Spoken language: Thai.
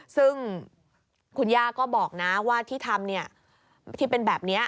ซึ่งคุณย่าก็บอกนะว่าที่ทำที่เป็นแบบนี้